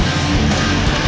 eh gak gak